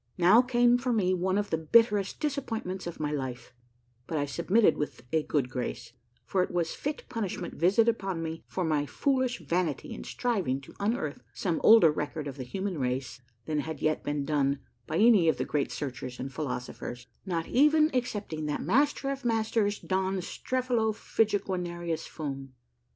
Now came for me one of the bitterest disappointments of my life ; but I submitted with a good grace, for it was fit punish ment visited upon me for my foolish vanity in striving to un earth some older record of the human race than had yet been done by any of the great searchers and philosophers, not even excepting that Master of Masters, Don Strephalofidgeguanerius fum